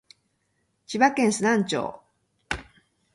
千葉県鋸南町